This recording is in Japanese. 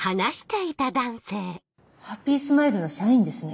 ハッピースマイルの社員ですね。